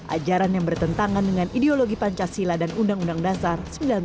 ajaran yang bertentangan dengan ideologi pancasila dan undang undang dasar seribu sembilan ratus empat puluh lima